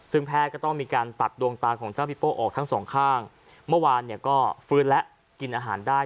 ซึ่งแพทย์ก็ต้องมีการตัดดวงตาของเจ้าพี่โป้ออกทั้งสองข้างเมื่อวานเนี่ยก็ฟื้นและกินอาหารได้